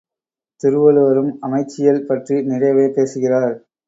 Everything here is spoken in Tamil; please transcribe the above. திருவள்ளுவரும் அமைச்சியல் பற்றி நிறையவே பேசுகிறார்.